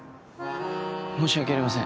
申し訳ありません。